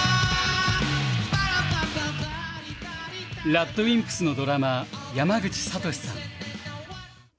ＲＡＤＷＩＭＰＳのドラマー、山口智史さん。